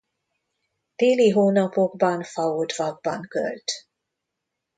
Téli hónapokban faodvakban költ.